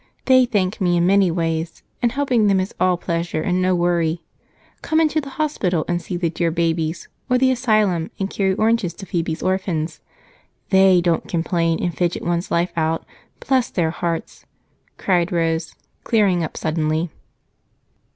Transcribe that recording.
They thank me in many ways, and helping them is all pleasure and no worry. Come into the hospital and see the dear babies, or the Asylum, and carry oranges to Phebe's orphans they don't complain and fidget one's life out, bless their hearts!" cried Rose, cheering up suddenly.